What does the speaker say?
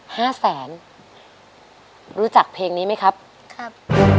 ห้าแสนรู้จักเพลงนี้ไหมครับครับ